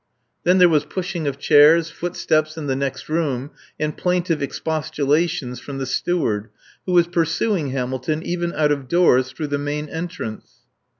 Then there were pushing of chairs, footsteps in the next room, and plaintive expostulations from the Steward, who was pursuing Hamilton, even out of doors through the main entrance.